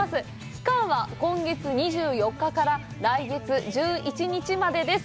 期間は今月２４日から来月１１日までです。